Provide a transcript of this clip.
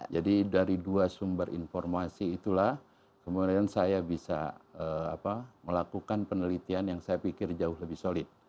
jadi dari dua sumber informasi itulah kemudian saya bisa melakukan penelitian yang saya pikir jauh lebih solid